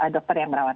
dokter yang merawat